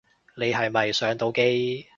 你係咪上到機